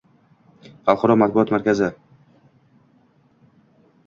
xalqaro matbuot markazi.